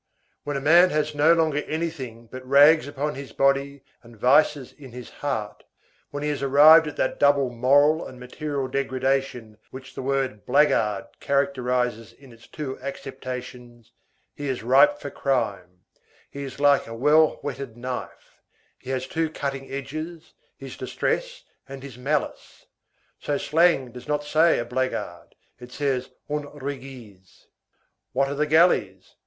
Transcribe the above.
—When a man has no longer anything but rags upon his body and vices in his heart, when he has arrived at that double moral and material degradation which the word blackguard characterizes in its two acceptations, he is ripe for crime; he is like a well whetted knife; he has two cutting edges, his distress and his malice; so slang does not say a blackguard, it says un réguisé.—What are the galleys?